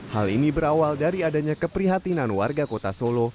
hal ini berawal dari adanya keprihatinan warga kota solo